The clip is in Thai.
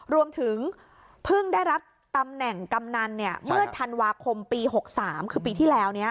รวมถึงเพิ่งได้รับตำแหน่งกำนันเมื่อธันวาคมปี๖๓คือปีที่แล้ว